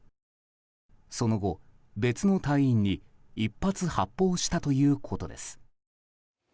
その後、別の隊員に１発、発砲したということです。